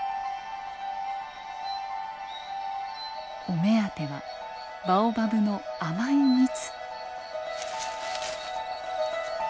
お目当てはバオバブの甘い蜜。